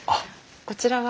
こちらは。